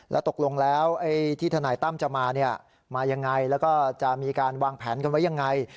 แล้วตกลงแล้วที่ทนายตั้มจะมามายังไงแล้วก็จะมีการวางแผนกันไว้ยังไง